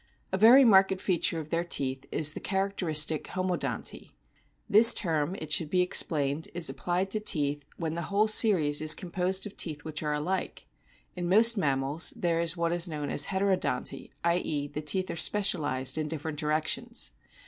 A very marked feature of their teeth is the charac teristic "homodonty." This term, it should be ex plained, is applied to teeth when the whole series is composed of teeth which are alike. In most mammals there is what is known as Heterodonty, i.e., the teeth are specialised in different directions.